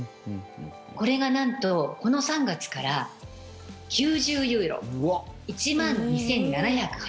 これがなんと、この３月から９０ユーロ、１万２７８０円。